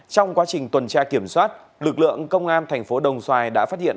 trong quá trình tuần tra kiểm soát lực lượng công an thành phố đồng xoài đã phát hiện